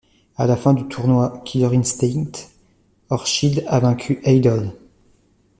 A la fin du tournoi Killer Instinct, Orchid a vaincu Eyedol.